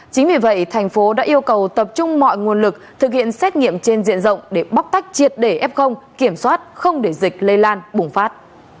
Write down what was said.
chính vì vậy thành phố đã yêu cầu tập trung mọi nguồn lực thực hiện xét nghiệm trên diện rộng để bóc tách triệt để f kiểm soát không để dịch lây lan bùng phát